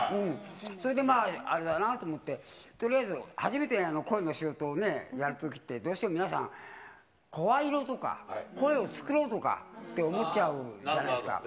それでまあ、あれだなと思って、とりあえず、初めて声の仕事をやるときって、どうしても皆さん、声色とか声を作ろうとかって思っちゃうじゃないですか。